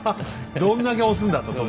どんだけ押すんだと徳川を。